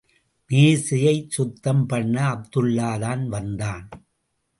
மேஐையைச் சுத்தம் பண்ண அப்துல்லாதான் வந்தான்.